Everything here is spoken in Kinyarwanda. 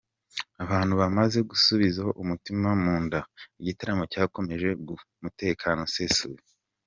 Abantu bamaze gusubiza umutima mu nda, igitaramo cyakomeje mu mutekano usesuye.